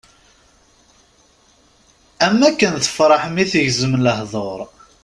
Am wakken tefreḥ mi tegzem lehdur.